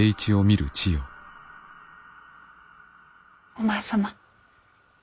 お前様。